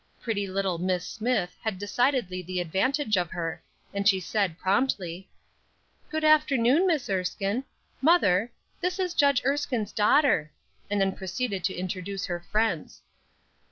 Pretty little Miss Smith had decidedly the advantage of her, as she said, promptly: "Good afternoon, Miss Erskine; mother, this is Judge Erskine's daughter;" and then proceeded to introduce her friends.